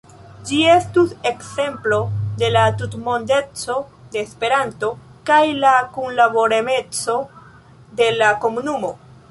Ĝi estus ekzemplo de la tutmondeco de Esperanto kaj la kunlaboremeco de la komunumo.